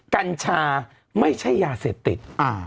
กัญชาไม่ใช่ยาเสพติด